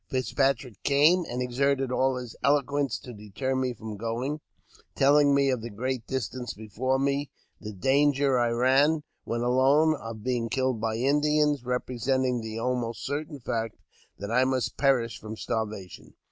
Fitzpatrick came, and exerted all his eloquence to deter me from going, telling me of the great distance before me, the danger I ran, when alone, of being killed by Indians — representing the almost certain fact that I must perish from starvation.